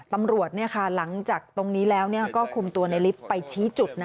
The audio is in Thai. ตำรวจหลังจากตรงนี้แล้วก็คุมตัวในลิฟต์ไปชี้จุด